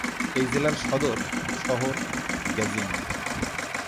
এই জেলার সদর শহর গেজিং।